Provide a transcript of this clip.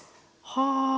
はあ。